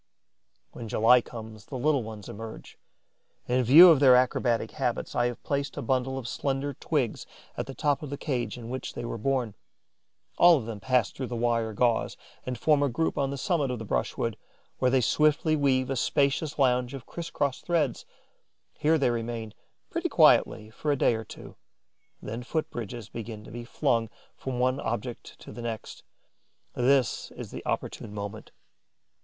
When July comes, the little ones emerge. In view of their acrobatic habits, I have placed a bundle of slender twigs at the top of the cage in which they were born. All of them pass through the wire gauze and form a group on the summit of the brushwood, where they swiftly weave a spacious lounge of criss cross threads. Here they remain, pretty quietly, for a day or two; then foot bridges begin to be flung from one object to the next. This is the opportune moment.